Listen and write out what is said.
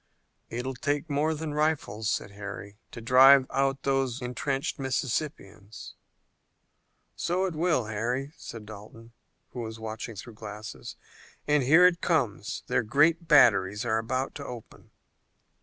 "It will take more than rifles," said Harry, "to drive out those intrenched Mississippians." "So it will, Harry," said Dalton, who was watching through glasses, "and here it comes. Their great batteries are about to open."